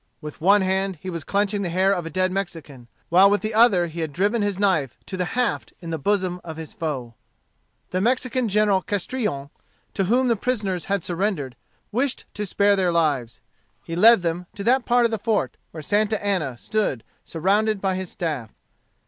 With one hand he was clenching the hair of a dead Mexican, while with the other he had driven his knife to the haft in the bosom of his foe. The Mexican General Castrillon, to whom the prisoners had surrendered, wished to spare their lives. He led them to that part of the fort where Santa Anna stood surrounded by his staff.